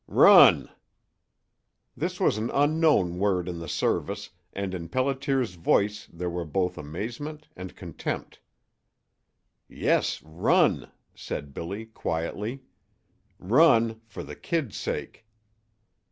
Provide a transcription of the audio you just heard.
"Run!" This was an unknown word in the Service, and in Pelliter's voice there were both amazement and contempt. "Yes, run," said Billy, quietly. "Run for the kid's sake."